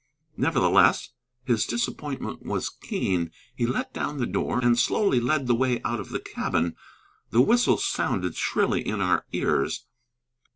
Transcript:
Nevertheless, his disappointment was keen. He let down the door and slowly led the way out of the cabin. The whistle sounded shrilly in our ears.